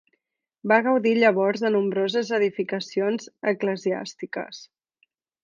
Va gaudir llavors de nombroses edificacions eclesiàstiques.